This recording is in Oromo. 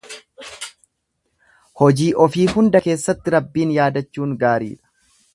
Hojii ofii hunda keessatti Rabbiin yaadachuun gaariidha.